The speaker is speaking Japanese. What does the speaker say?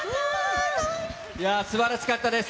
すばらしかったです。